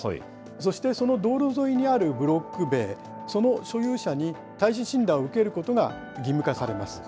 そして、その道路沿いにあるブロック塀、その所有者に耐震診断を受けることが義務化されます。